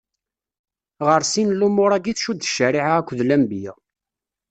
Ɣer sin n lumuṛ-agi i tcudd ccariɛa akked lenbiya.